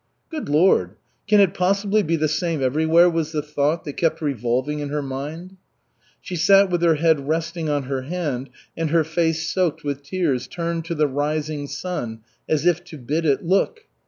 "Good Lord! Can it possibly be the same everywhere?" was the thought that kept revolving in her mind. She sat with her head resting on her hand and her face soaked with tears turned to the rising sun, as if to bid it, "Look!"